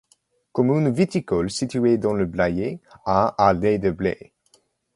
Commune viticole située dans le Blayais à à l'est de Blaye.